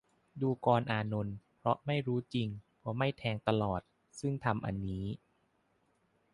ดูกรอานนท์ เพราะไม่รู้จริง เพราะไม่แทงตลอด ซึ่งธรรมอันนี้